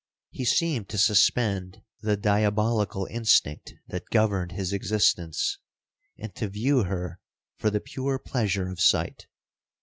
He seemed to suspend the diabolical instinct that governed his existence, and to view her for the pure pleasure of sight.